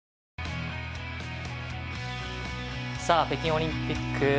北京オリンピック